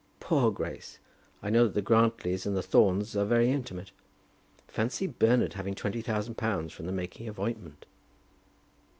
Poor Grace! I know that the Grantlys and the Thornes are very intimate. Fancy Bernard having twenty thousand pounds from the making of ointment!"